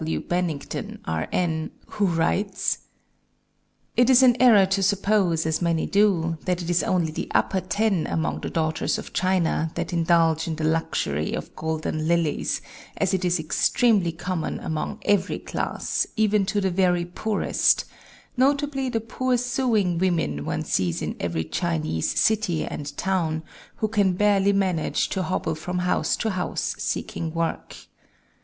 W. Bennington, R.N., who writes: "It is an error to suppose, as many do, that it is only the Upper Ten among the daughters of China that indulge in the luxury of 'golden lilies,' as it is extremely common among every class, even to the very poorest notably the poor sewing women one sees in every Chinese city and town, who can barely manage to hobble from house to house seeking work.